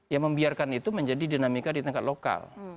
ya membiarkan itu menjadi dinamika di tingkat lokal